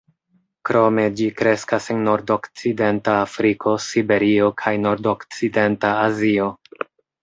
Krome ĝi kreskas en nordokcidenta Afriko, Siberio kaj nordokcidenta Azio.